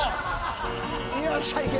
よっしゃいけ！